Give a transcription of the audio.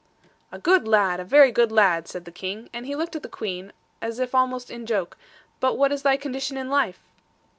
'A good lad! A very good lad,' said the King, and he looked at the Queen, as if almost in joke; 'but what is thy condition in life?'